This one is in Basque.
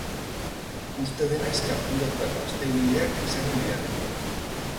Uste denez kapturatutako asteroideak izango lirateke.